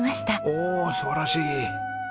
おお素晴らしい。